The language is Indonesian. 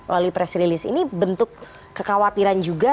lalu press release ini bentuk kekhawatiran juga